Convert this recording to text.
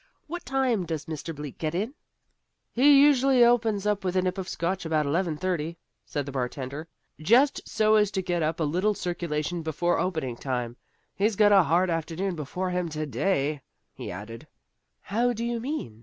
What time does Mr. Bleak get in?" "He usually opens up with a nip of Scotch about eleven thirty," said the bartender. "Just so as to get up a little circulation before opening time. He's got a hard afternoon before him to day," he added. "How do you mean?"